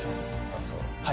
ああそう。